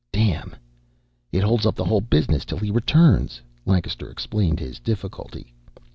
"Damn! It holds up the whole business till he returns." Lancaster explained his difficulty.